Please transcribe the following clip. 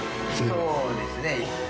そうですね。